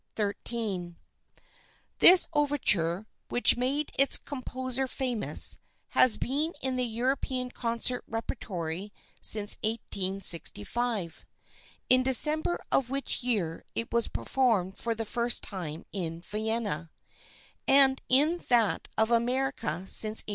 13 This overture, which made its composer famous, has been in the European concert repertory since 1865 (in December of which year it was performed for the first time in Vienna), and in that of America since 1877.